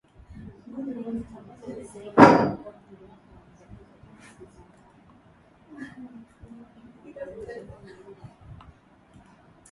Katika shambulizi moja, zaidi ya watu sitini huko Plaine Savo kwenye eneo la Djubu waliuawa hapo Februari mosi mwendesha mashtaka wa kijeshi